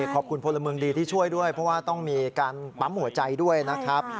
พลเมืองดีที่ช่วยด้วยเพราะว่าต้องมีการปั๊มหัวใจด้วยนะครับ